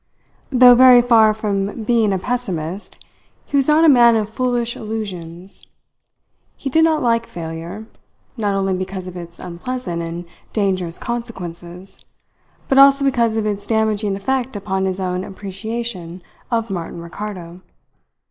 Though very far from being a pessimist, he was not a man of foolish illusions. He did not like failure, not only because of its unpleasant and dangerous consequences, but also because of its damaging effect upon his own appreciation of Martin Ricardo.